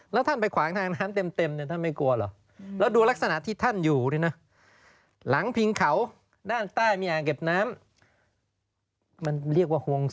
แล้วท่านไปขวางทางน้ำเต็มเนี่ย